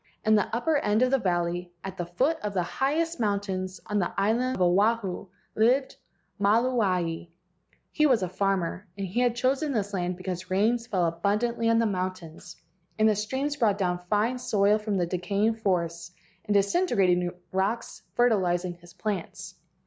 In the upper end of the valley, at the foot of the highest moun¬ tains on the island Oahu, lived Maluae. He was a farmer, and had chosen this land because rain fell abundantly on the mountains, and the streams brought down fine soil from the decaying forests and disintegrating rocks, fertilizing his plants.